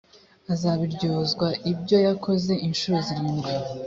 azabiryozwa ibyo yakoze incuro zirindwi